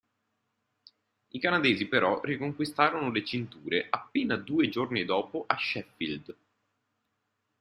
I canadesi però riconquistarono le cinture appena due giorni dopo a Sheffield.